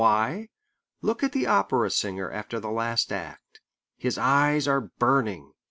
Why? Look at the opera singer after the last act. His eyes are burning.